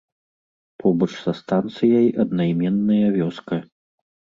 Побач са станцыяй аднайменная вёска.